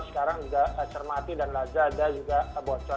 sekarang juga cermati dan lazada juga bocor